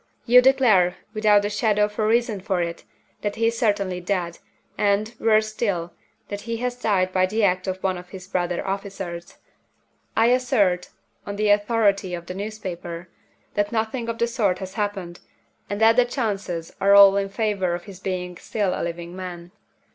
You declare, without the shadow of a reason for it, that he is certainly dead, and, worse still, that he has died by the act of one of his brother officers. I assert, on the authority of the newspaper, that nothing of the sort has happened, and that the chances are all in favor of his being still a living man.